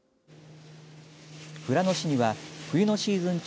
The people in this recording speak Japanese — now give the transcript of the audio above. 富良野市には冬のシーズン中